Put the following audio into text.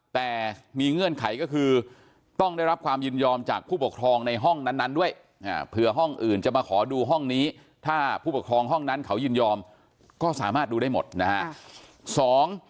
แต่มีเงื่อนไขก็คือต้องได้รับความยินยอมจากผู้ปกครองในห้องนั้นด้วยเผื่อห้องอื่นจะมาขอดูห้องนี้ถ้าผู้ปกครองห้องนั้นเขายินยอมก็สามารถดูได้หมดนะฮะ